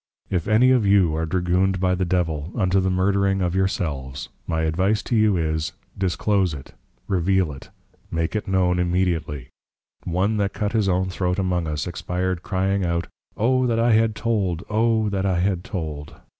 If any of you are Dragoon'd by the Devil, unto the murdering of your selves, my Advice to you is, Disclose it, Reveal it, make it known immediately. One that Cut his own Throat among us, Expired crying out, _O that I had told! O that I had told.